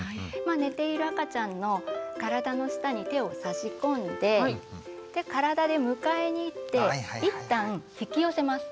寝ている赤ちゃんの体の下に手を差し込んで体で迎えにいって一旦引き寄せます。